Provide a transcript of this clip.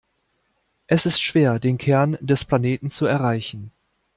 Es ist schwer, den Kern des Planeten zu erreichen.